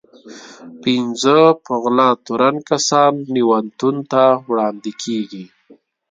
پنځه په غلا تورن کسان نياوتون ته وړاندې کېږي.